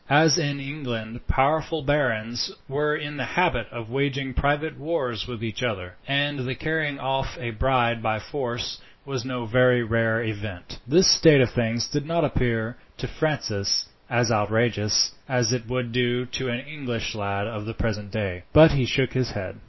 As in England powerful barons were in the habit of waging private wars with each other, and the carrying off a bride by force was no very rare event, this state of things did not appear, to Francis, as outrageous as it would do to an English lad of the present day, but he shook his head.